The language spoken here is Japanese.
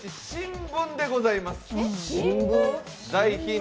１、新聞でございます。